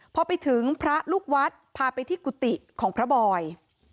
พอไปถึงพระลูกวัดพาไปที่กุฏิของพระบอย